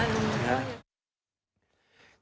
ค่ะลุง